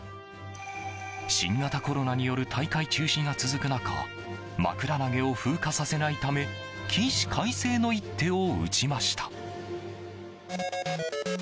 新型コロナによる大会中止が続く中まくら投げを風化させないため起死回生の一手を打ちました。